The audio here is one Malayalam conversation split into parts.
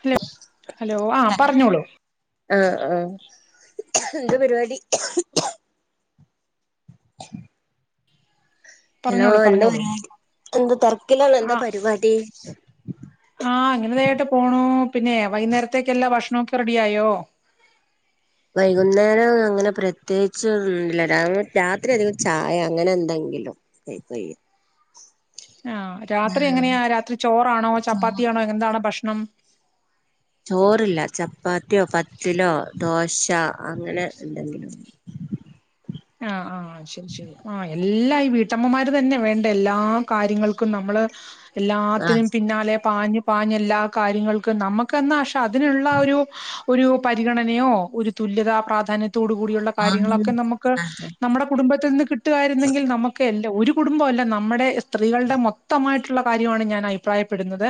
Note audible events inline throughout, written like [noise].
ഹലോ ഹലോ ആഹ പറഞ്ഞോളൂ ആഹ ആഹ എന്താ പരിപാടി ഹല്ലോ പറഞ്ഞോളൂ എന്താ പറഞ്ഞോളൂ പപാ എന്ത തതിരക്കിലാണ് എന്താ ആ പരിപാടി ആ അങ്ങനെതായിട്ട് പോണു പിന്നെ വൈകുന്നേരത്തേക്കല്ലാ ഭക്ഷണൊക്കെ റെഡി ആയോ വൈകുന്നേരം അങ്ങനെ പ്രത്യേകിച്ച് ഒന്നില്ല രാത്രി അധികം ചായ അങ്ങനെ എന്തെങ്കിലും കൈയ്യ ആഹ രാത്രി എങ്ങനെയാ രാത്രി ചോറാണോ ചോറ് ചപ്പാത്തിയാണോ എങ്ങന്താണോ ഭക്ഷണം ണം ചോറില്ല ചപ്പാത്തിയോ പത്തിലോ ദോശ അങ്ങനെ എന്തെങ്കിലും ആ ആ ശരി ശരി ആഹ് എല്ലാ ഈ വീട്ടമ്മമാര് തന്നെ വേണ്ട എല്ലാ കാര്യങ്ങൾക്കും നമ്മള് എല്ലാത്തിനും ആഹ് പിന്നാലെ പാഞ്ഞു പാഞ്ഞു എല്ലാ കാര്യങ്ങൾക്കും നമുക്ക് എന്നാ പക്ഷെ അതിനുള്ള ഒരു ഒരു പരിഗണനയോ ഒരു തുല്യതാ പ്രാധാന്യ തോട കൂടിയുള്ള ആഹ് കാര്യങ്ങളൊക്കെ നമുക്ക് അതെ നമ്മുടെ കുടുംബത്തിൽ നിന്ന് കിട്ടുവായിരുന്നെങ്കിൽ നമുക്ക് എല്ലാ ഒരു കുടുംബം അല്ല നമ്മുടെ സ്ത്രീകളുടെ മൊത്തമായിട്ട് ട്ടുള്ള കാര്യമാണ് ഞാൻ അഭിപ്രായപ്പെടുന്നത്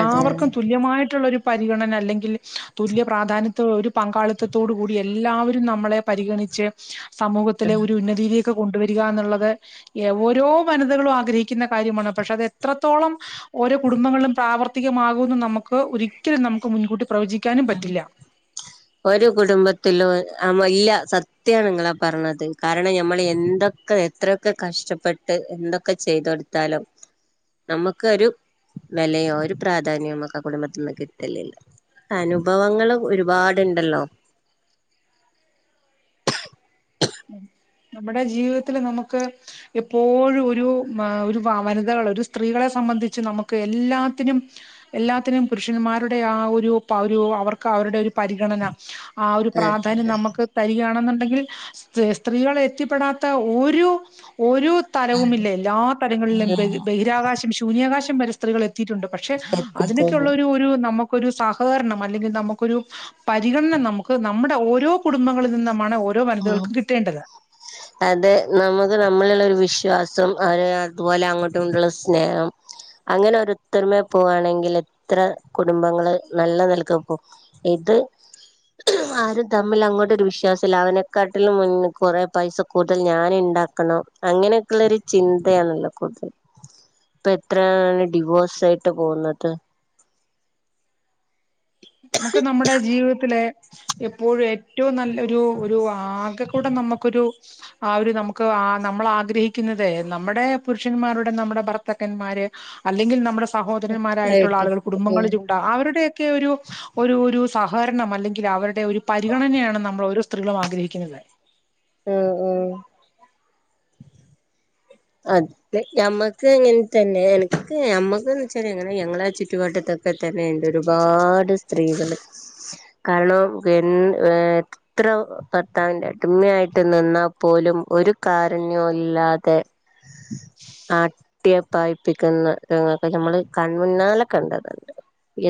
അതെ അതെ തുല്യമായിട്ടുള്ള ഒരു പരിഗണന അല്ലെങ്കിൽ തുല്യ പ്രാധാന്യ ഒരു പങ്കാളിത്തത്തോടു കൂടി എല്ലാവരും നമ്മളെ പരിഗണിച്ച് [unintelligible] സമൂഹത്തിലെ ഒരു ഉന്നതി കൊണ്ടുവരിക എന്നുള്ളത് ഓരോ വനിതകളും ആഗ്രഹിക്കുന്ന കാര്യമാണ് പക്ഷെ അത് എത്രത്തോളം ഓരോ കുടുംബങ്ങളിലും പ്രാവർത്തികമാകും നമുക്ക് ഒരിക്കലും നമുക്ക് മുൻകൂട്ടി പ്രവചിക്ക ഒരു കുടുംബത്തിലും ആ ഇല്ല സത്യാണ് നിങ്ങളാ പറഞ്ഞത് കാരണം നഞമ്മൾ എന്തൊക്കെ എത്രയൊക്കെ കഷ്ടപ്പെട്ട് എന്തൊക്കെ ചെയ്ത് കൊടുത്താലോ നമ്മുക്കൊരു വിലയോ ഒരു പ്രാധാന്യോ നമുക്ക് ആ കുടുംബത്തിൽ നിന്ന് കിട്ടലില്ല അനുഭവങ്ങൾ ഒരുപാടുണ്ടല്ലോ നമ്മുടെ ജീവിതത്തില്ൽ നമുക്ക് എപ്പോഴും ഒരു ഒരു വ വനിതകൾ ഒരു സ്ത്രീകളെ സംബന്ധിച്ച് നമുക്ക് എല്ലാത്തിനും എല്ലാത്തിനും പുരുഷന്മാരുടെ ആ ഒരു ഒരു അവർക്ക് അവരുടെ ഒരു പരിഗണന ആ ഒരു പ്രാധാന്യം നമുക്ക് തരികയാണെന്ന് യുണ്ടെങ്കിൽ സ്ത്രീകളെ എത്തിപ്പെടാത്ത ഒരു ഒരു തലവവുംമില്ല എല്ലാ തലങ്ങളിലും ബഹിരാകാശം ശൂന്യാകാശം പരിക സ്ത്രീകൾ ഏത് എത്തിയിട്ടുണ്ട് പക്ഷെ എത്തിട്ടുണ്ട് അതിനൊക്കെയുള്ളള്ള ഒരു നമുക്ക് ഒരു സഹകരണം അല്ലെങ്കിൽ നമുക്കൊരു പരിഗണന നമുക്ക് നമ്മുടെ ഓരോ കുടുംബങ്ങളിൽ നിന്ന് ആ ഓരോ വനിതകളും അതെ നമക്ക് നമ്മ ഒരു വിശ്വാസം അതുപോലെ അങ്ങോട്ടുംുള്ള സ്നേഹം അങ്ങനെ ോത്തരുമ പോകുകയാണെങ്കിൽ എത്ര കുടുംബങ്ങള് നല്ല നിലക്ക പോവും ഇത് ആരും തമ്മിൽ അങ്ങോട്ടൊരു വിശ്വാസമില്ല അവനെ കാാട്ടിൽ മുന്ന കൊറെ പൈസ കൂടുതൽ ഞാൻ ഉണ്ടാക്കണം അങ്ങനെയൊക്കെയുള്ള ഒരു ചിന്തയാണല്ലോ കൂടുതൽ ഇപ്പൊ എത്രയാണ് ഡിവോഴ്സ് ആയിട്ട് പോകുന്നത് നമുക്ക് നമ്മുടെ ജീവിതത്തിലെ എപ്പോഴും ഏറ്റവും നല്ല ഒരു ഒരു ആകെ കൂടെ നമുക്കൊരു ആ ഒരു നമുക്ക് ആ നമ്മൾ ആഗ്രഹിക്കുന്നത് നമ്മുടെ പുരുഷന്മാരുടെ നമ്മുടെ ഭർത്തകന്മാര് അല്ലെങ്കിൽ നമ്മുടെ സഹോദരന്മാരായിട്ടുള്ള ആയിട്ട് ആളുകൾ ഉം കുടുംബങ്ങളിലുണ്ട് അവരുടെ ഒക്കെ ഒരു ഒരു ഒരു സഹകരണം അല്ലെങ്കിൽ അവരുടെ ഒരു പരിഗണനയാണ് നമ്മൾ ഓരോ സ്ത്രീകളും ആഗ്രഹിക്കുന്നത് ആ ആ അത മ്മക്ക് എങ്ങനെ തന്നെ എനിക്ക് മ്മക്ക്ന്ന് വച്ചാ എങ്ങനെ ഞങ്ങളാ ചുറ്റുപാട്ടത്തൊക്കെ തന്നെ വേണ്ട ഒരുപാട് സ്ത്രീകൾ കാരണം എ ഏർ എത്ര ഭർത്താവിന്റെ അടിമയായിട്ട് നിന്നാൽ പോലും ഒരു കാരണ്യവും ഇല്ലാതെ ആട്ടിയപ്പായപ്പിക്കുന്ന രൊക്കെ നമ്മൾ കൺമുന്നാലെ കണ്ടതുണ്ട്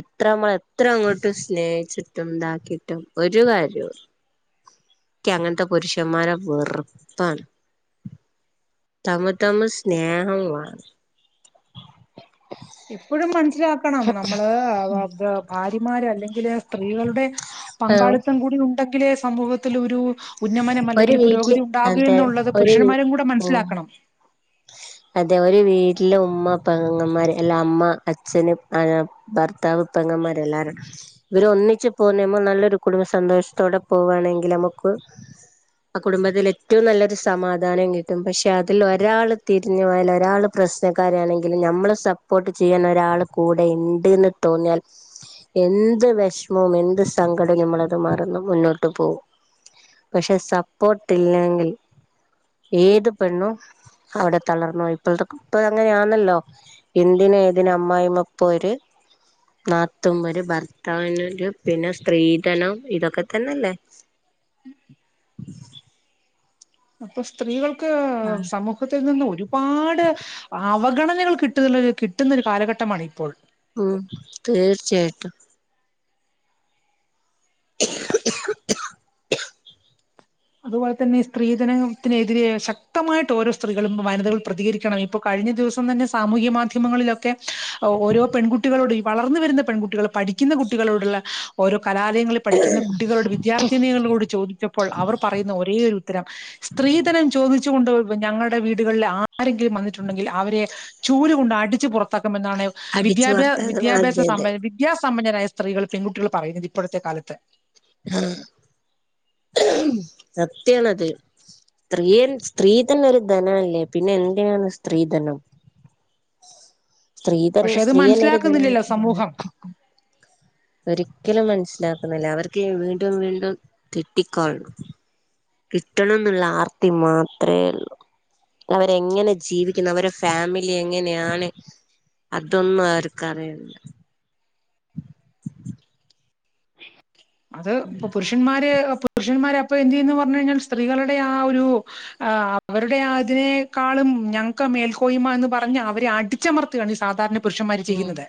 എത്ര നമ്മൾ എത്ര അങ്ങോട്ടും സ്നേഹിച്ചിട്ടും ഇതാക്കിട്ടും ഒരു കാര്യവും ഇല്ല ഇക്കി അങ്ങനത്തെ പുരുഷന്മാരെ വെറുപ്പാണ് തമ തമ സ്നേഹം വ ഇപ്പോഴും മന്ത് മനസിലണം നമ്മള് ബിമാറ അല്ലേ സ്ത്രീകളുടെ ആഹ് പങ്കാളിത്തം കൂടി ഉണ്ടെങ്കിൽ സമൂഹത്തിൽ ഒരു ഉന്നമനം ഒരു അല്ലെങ്കിൽ വീട്ടില് പുരോഗതി ഉണ്ടാകുക അതെ എന്നുള്ളത് ഒരു വീ പുരുഷന്മാരും കൂടെ ഉം മനസ്സിലാക്കണം അതെ ഒരു വീട്ടിലെ ഉമ്മപ്പ അങ്ങന്മാര് അല്ല അമ്മ അച്ഛന്ും ആ ഭർത്താവ്പ്പങ്ങന്മാര് എല്ലാവരുുംും ഇവര് ഒന്നിച്ച് പോുന്നമ്മൾ നല്ലൊരു കുടുംബ സന്തോഷത്തോടെ പോകുകവാണെങ്കിൽ നമുക്ക് ആ കുടുംബത്തിൽ ഏറ്റവും നല്ലൊരു സമാധാനം കിട്ടും പക്ഷെ അതിൽ ഒരാൾ തിരിഞ്ഞു പോയൽ ഒരാൾ പ്രശ്നക്കാരാണെങ്കിലും നമ്മൾ സപ്പോർട്ട് ചെയ്യാൻ ഒരാൾ കൂടെ ഉണ്ട്ന്ന് തോന്നിയാൽ എന്ത് വിഷമവും എന്ത് സങ്കടവും നമ്മൾത് മറന്ന് മുന്നോട്ട് പോകവും പക്ഷെ സപ്പോർട്ട് ഇല്ലെങ്കിൽ ഏത് പെണ്ണും അവിടെ തളർന്നു ഇപ്പോൾ ഇപ്പ അങ്ങനെയാണല്ലോ എന്തിന ഏതിന അമ്മായി അപ്പര് നാത്തുമര് ഭർത്താവിനര് പിന്നെ സ്ത്രീധനം ഇതൊക്കെ തന്നെല്ലേ അപ്പൊ സ്ത്രീകൾ ക്ക്‌ ആഹ് സമൂഹത്തിൽ നിന്ന് ഒ ഒരുപാട് അവഗണനകൾ കിട്ട കിട്ടുന്ന ഒരു കാലഘട്ടമാണ് ഇപ്പോൾ ഉ തീർച്ചയായിട്ടും [unintelligible] അതുപോലെ തന്നെ സ്ത്രീധനത്തിനെതിരെ ശക്തമായിട്ട് ഓരോ സ്ത്രീകളും വനിതകൾ പ്രതികരിക്കണം ഇപ്പൊ കഴിഞ്ഞ ദിവസം തന്നെ സാമൂഹ്യ മാധ്യമങ്ങളിലൊക്കെ ഓരോ പെൺകുട്ടികളോട് വളർന്നു വരുന്ന പെൺകുട്ടികള പഠിക്കുന്ന കുട്ടികളോടുള്ള ഓരോ കലാലയങ്ങളിൽ പഠിക്കുന്ന കുട്ടികളോട് വിദ്യാർത്ഥിനികളോട് ചോദിച്ചപ്പോൾ അവർ പറയുന്ന ഒരേ ഒരു ഉത്തരം സ്ത്രീധനം ചോദിച്ചൊണ്ട് ഇപ്പ ഞങ്ങളുടെ വീടുകളിലിൽ ആ ആരെങ്കിലും വന്നിട്ടുണ്ടെങ്കിൽ അവരെ ചൂല് കൊണ്ട് അടി ച്ചു പുറത്തക് ാണ് അടിച്ചു വിദ്യാഭ്യാ വാർത്താകൾ വിദ്യാഭ്യാസ അതെ അതെ വിദ്യാസ സമ്പന്നരായ സ്ത്രീകൾ പെൺകുട്ടികൾ പറയുന്നത് ഇപ്പോഴത്തെ കാലത്ത് ആ സത്യണത് സ്ത്രീ സ്ത്രീ തന്ന ഒരു ധനല്ലേ പിന്നെ എന്തയാണ് സ്ത്രീധനം സ്ത്രീ തന്ന പക്ഷെ അത് സ്ത്രീയനൊ ഒരു മനസ്സിലാക്കുന്നില്ലല്ലോ തനായിട്ടിന്ന സമൂഹം ഒരിക്കലും മനസ്സിലാക്കുന്നില്ല അവർക്ക് വീണ്ടും വീണ്ടും തെട്ടിക്കോളണം കിട്ടണം എന്നുള്ള ആർത്തി മാത്രമേ ഉള്ളൂ അവരെങ്ങനെ ജീവിക്കുന്നു അവരെ ഫാമിലി എങ്ങനെയാണ് അതൊന്നും അവർക്ക് അറിയല്ല [inaudible] അത് ഇപ്പൊ പുരുഷന്മാര് പുരുഷന്മാർ അപ്പൊ എന്ത് ചെയന്ന് പറഞ്ഞ കഴിഞ്ഞാൽ സ്ത്രീകളുടെ ആ ഒരു അവരുടെ ആ അതിനേക്കാളും ഞങ്ങൾക്ക് മേൽക്കോയ്മ എന്ന് പറഞ്ഞ് അവരെ അടിച്ചമർത്തുകയാണ് ഈ സാധാരണ പുരുഷന്മാര് ഉം ചെയ്യുന്നത്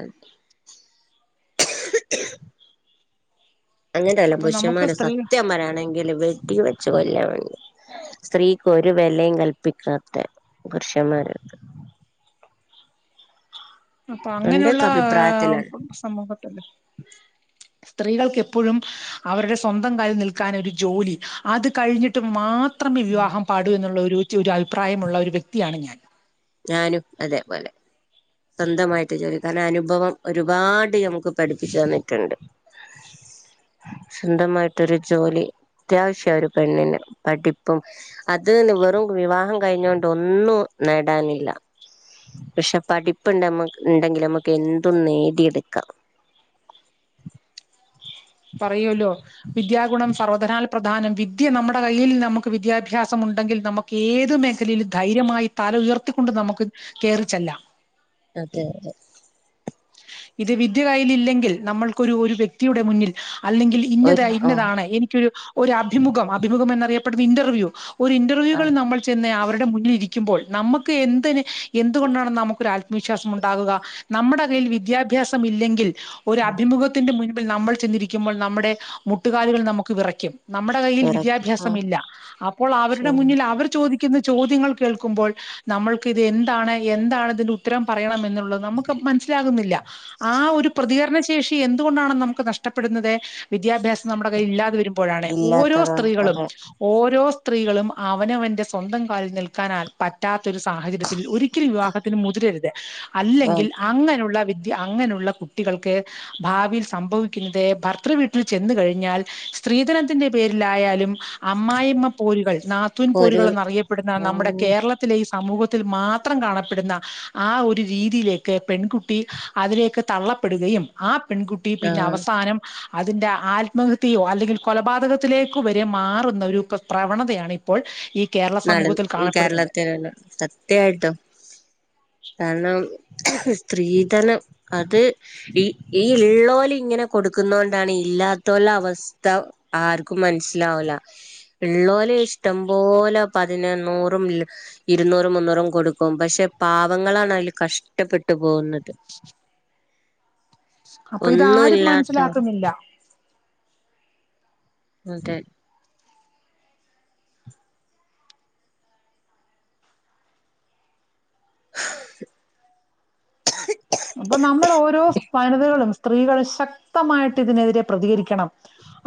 അത [unintelligible] അങ്ങനെയ അല്ല അപ്പൊ നമുക്ക് പുരുഷന്മാര് സ്ത്രീ സത്യം പറയാണെങ്കില് വെട്ട കൊല്ലാൻ സ്ത്രീക്ക് ഒരു വിലയും കല്പ്പിക്കാത്ത പുരുഷന്മാരൊക്കെ അപ്പൊ അങ്ങനെയുള്ള എന്റെയൊക്കെ അഭിപ്രായത്തിലാണ് സമൂഹത്തല്ലേ സ്ത്രീകൾക്ക്െപ്പോഴും അവരുടെ സ്വന്തം കാലൽ നിൽക്കാൻ ഒരു ജോലി അത് കഴിഞ്ഞിട്ട് മാത്ര അത്രം വിവാഹം പാടു എന്നുള്ള ഒരു ഒരു അഭിപ്രായമുള്ള ഒരു വ്യക്തിയാണ് ഞാൻ ഞാനും അതേപോലെ സ്വന്തമായിട്ട് ജോലി കാരണം അനുഭവം ഒരുപാട് ഞമുക്ക് പഠിപ്പിച്ചു തന്നിട്ടുണ്ട് സ്വന്തമായിട്ടൊരു ജോലി അത്യാവശ്യം ഒരു പെണ്ണിിനെ പഠിപ്പും അതിന്ന് വെറും വിവാഹം കഴിഞ്ഞ കൊണ്ട് ഒന്നും നില്ല പക്ഷെ പഠിപ്പ്ണ്ടമ്മ ഉണ്ടെങ്കിൽ നമുക്ക് എന്തും നേടിയെടുക്കാം പറയൂല്ലോ വിദ്യാഗുണം സർവധനാൽ പ്രധാനം വിദ്യ നമ്മുടെ കയ്യിൽ നമുക്ക് വിദ്യാഭ്യാസം ഉണ്ടെങ്കിൽ നമുക്ക് ഏത് മേഖലയിലും ധൈര്യമായി തല ഉയർത്തിക്കൊണ്ട് നമുക്ക് കേയറിച്ചല്ലാം അതെ അതെ ഇത് വിദ്യ കയ്ൽ ഇല്ലെങ്കിൽ നമ്മൾക്ക ഒരു ഒരു വ്യക്തിയുടെ മുന്നിൽ അല്ലെങ്കിൽ ഇന്നത ഒരു ആ ഇന്നതാണ് എനിക്കൊ ഒരു അഭിമുഖം അഭിമുഖം എന്നറിയ ഇന്റർവ്യൂ ഒരു ആ ഇന്റർവ്യൂകൾ നമ്മൾ ചെന്ന് അവ മുന്നിൽ ഇരിക്കുമ്പോൾ നമുക്ക് എന്ന് എന്ത കൊണ്ടാണെന്ന് നമുക്ക്ൊത്പര്യം വിശ്വാസം ഉണ്ടാകുക നമ്മുടെ േൽവ [unintelligible] വിദ്യാഭ്യാസം ഇല്ലെങ്കിൽ ഒരു അഭിമുഖത്തിന്റെ മുൻ നമ്മൾ ചെന്നിരിക്കുമ്പോൾ നമ്മുടെ മുട്ടുകാലുകൾ നമുക്ക് വിറയ്ക്കും നമ്മുടെ കയ്യിൽ വിറക്കി ആ വിദ്യാഭ്യാസം ഇല്ല അപ്പോൾ അവരുടെ ശരി മുന്നിൽ അവർ ചോദിക്ക ചോദ്യങ്ങൾ കേൾക്കുമ്പോൾ നമ്മൾക്ക് ഇത് എന്താണ് എന്താണ് ഇതിന്റെ ഉത്തരം പറയണ എ നമ്മൾക്ക് അപ്പോൾ - ആ ഒരു പ്രതികരണ ശേഷി എന്തുകൊണ്ടാണ് നമുക്ക് നഷ്ടപ്പെടുന്നത് വിദ്യാഭ്യാസ നമ്മുടെ കൈ ഇല്ലാതെ വരുമ്പോഴാണ് ഓരോ ഇല്ലാത്തത് സ്ത്രീകളും അതെ ഓരോ സ്ത്രീകളും അവനവൻന്റെ സ്വന്തം കാലിൽ നിൽക്കാനാ പറ്റാത്ത ഒരു സാഹചര്യത്തിൽ ഒരിക്കലും വിവാഹത്തിന് മുതിരരുത് അല്ലെങ്കിൽ അങ്ങനെ വിദ്യ അങ്ങനെയുള്ള കുട്ടികൾക്ക് ഭാവിയിൽ സംഭവിക്കുന്നത് ഭർത്തൃവീട്ടിൽ ചെന്ന കഴിഞ്ഞാൽ സ്ത്രീധനത്തിന്റെ പേരിലായാലും അമ്മായിമ്മ പോരുകൾ നാത്തുൻ പോരുകൾ എന്നറിയപ്പെടുന്ന ഓ നമ്മുടെ കേരളത്തിലെ സമൂഹത്തിൽ മാത്രം കാണപ്പെടുന്ന ആ ഒരു രീതിയിലേക്ക് പെൺകുട്ടി അതിലേക്ക് തള്ളപ്പെടുകയും ആ പെൺകുട്ടി ആ പിന്നെ അവസാനം അതിന്റെ ആത്മഹത്യോ അല്ലെങ്കിൽ കൊലപാതകത്തിലേക്ക വരെ മാറുന്ന ഒരു പ്രവണതയാണ ഇപ്പോൾ ഈ കേരള നട സമൂഹത്തിൽ ഈ കാണപ്പെടുന്നത് കേരളത്തിനല്ല സത്യായിട്ടോ കാരണം സ്ത്രീധനം അത് ഈ ഈ ഉള്ളോല് ഇങ്ങനെ കൊടുക്കുന്ന കൊണ്ടാണ് ഇല്ലാത്തുള്ള അവസ്ഥ ആർക്കും മനസ്സിലാവില്ല ഉള്ളോല് ഇഷ്ടം പോലെ പതിന് നൂറും ഇരുന്നൂറും മുന്നൂറും കൊടുക്കും പക്ഷെ പാവങ്ങളാണ് അതിൽ കഷ്ടപ്പെട്ടു പോകുന്നത് അപ്പൊ ഒന്നും ഇതാരും ഇല്ലാത്തവർ മനസ്സിലാക്കുന്നില്ല അതെ അപ്പൊ നമ്മൾ ഓരോ വനിതകളും സ്ത്രീകളും ശക്തമായിട്ട് ഇതിനെതിരെ പ്രതികരിക്കണം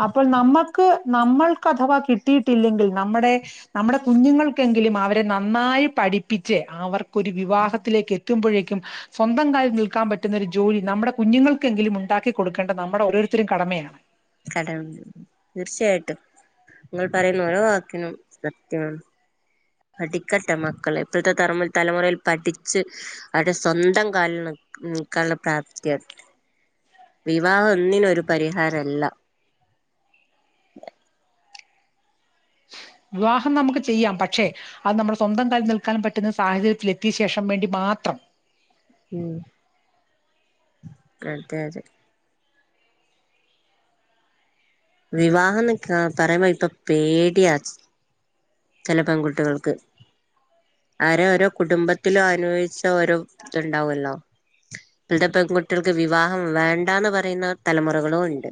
അപ്പൊ നമ്മക്ക് നമ്മൾക്ക് അഥവാ കിട്ടിയിട്ടില്ലെങ്കിൽ നമ്മുടെ നമ്മുടെ കുഞ്ഞുങ്ങൾക്ക് എങ്കിലും അവരെ നന്നായി പഠിപ്പിച്ചു അവർ ഒരു വിവാഹത്തിലേക്ക് ക്കെത്തുമ്പഴേക്കും സ്വന്തം കാഴ്‌ നിൽക്കാൻ പറ്റുന്നൊരു ജോലി നമ്മുടെ കുഞ്ഞുങ്ങൾക്കെങ്കിലും ഉണ്ടാക്കികൊടുക്കേണ്ടത് നമ്മുടെ ഓരോരുത്തരുടെയും കടമയ [unintelligible] തീർച്ചയായിട്ടും നിങ്ങൾ പറയുന്ന ഓരോ വാക്കിനും സത്യമാണ് പഠിക്കട്ടെ മക്കള് ഇപ്പോഴത്തെ തരമുറ തലമുറയിൽ പഠിച്ച് അവരുടെ സ്വന്തം കാലിൽ മ് നിൽക്കാനുള്ള പ്രാപ്തിയാകട്ടെ വിവാഹം ഒന്നിനും ഒരു പരിഹാരമല്ല വിവാഹം നമുക്ക് ചെയ്യാം പക്ഷെ അത് നമ്മൾ സ്വന്തം കാലിൽ നിൽക്കാൻ പറ്റുന്ന സാഹചര്യത്തിൽ എത്തിയ ശേഷം വേണ്ടി മാത്രം ഉമ് [unintelligible] വിവാഹമെന്നു ക് പറയുമ്പ ഇപ്പം പേടിയാ ചില പെൺകുട്ടികൾക്ക് അവരെ ഓരോ കുടുംബത്തിലും അനുഭവിച്ച ഓരോ ഇതുണ്ടാവുമല്ലോ ഇപ്പഴത്തെ പെൺകുട്ടികൾക്ക് വിവാഹം വേണ്ടാന്നുപറയുന്ന തലമുറകളുമുണ്ട്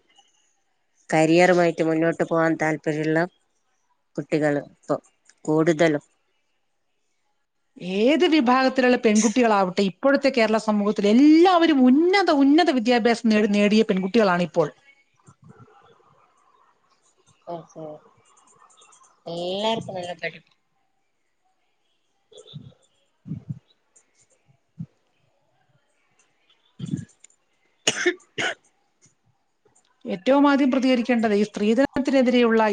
കരിയറുമായിട്ട് മുന്നോട്ടുപോകാൻ താല്പര്യമുള്ള കുട്ടികൾ ഇപ്പൊ കൂടുതല് ഏതുവിഭാഗം ത്തിലുള്ള പെൺകുട്ടികളാകട്ടെ ഇപ് ഇപ്പോഴത്തെ കേരള സമൂഹത്തിലെ എല്ലാവ രും ഉന്നത ഉന്നത വിദ്യാഭ്യാസം നേടൂ നേടിയ പെൺകുട്ട് കുട്ടികളാണിപ്പോൾ [inaudible] [unintelligible] ഏറ്റവും ആദ്യം പ്രേതികരിക്കേണ്ടത് ഈ സ്ത്രീധനത്തിനെതിരെയുള്ള